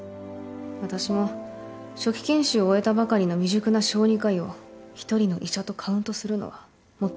私も初期研修を終えたばかりの未熟な小児科医を１人の医者とカウントするのはもったいないと思います。